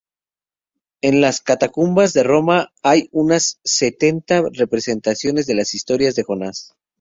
En las catacumbas de Roma hay unas setenta representaciones de las historias de Jonás.